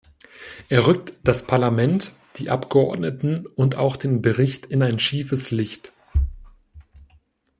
Er rückt das Parlament, die Abgeordneten und auch den Bericht in ein schiefes Licht.